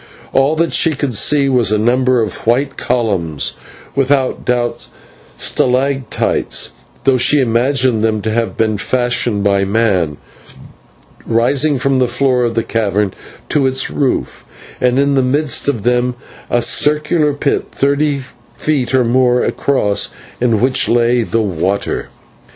All that she could see was a number of white columns without doubt stalactites, though she imagined them to have been fashioned by man rising from the floor of the cavern to its roof, and in the midst of them a circular pit, thirty feet or more across, in which lay the water.